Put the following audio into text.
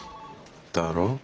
だろ。